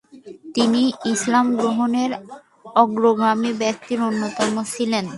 তিনি ইসলাম গ্রহণে অগ্রগামী ব্যক্তিদের অন্যতম ছিলেন।